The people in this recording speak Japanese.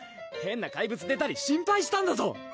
変な怪物出たり心配したんだぞ！